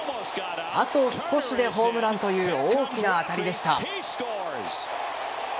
あと少しでホームランという大きな当たりでした。